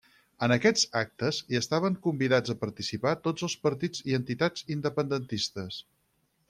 En aquests actes hi estaven convidats a participar tots els partits i entitats independentistes.